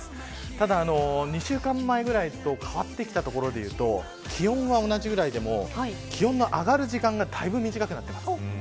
ただ、２週間前ぐらい前と変わってきたところでいうと気温は同じぐらいでも気温の上がる時間がだいぶ短くなってきました。